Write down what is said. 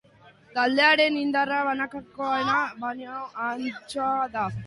Taldearen indarra banakakoena baino ahaltsuagoa da.